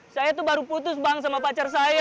saya tuh baru putus bang sama pacar saya